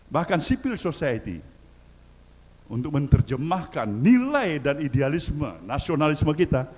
bahkan civil society untuk menerjemahkan nilai dan idealisme nasionalisme kita